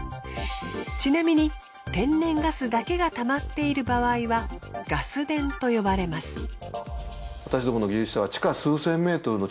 ちなみに天然ガスだけがたまっている場合はガス田と呼ばれます。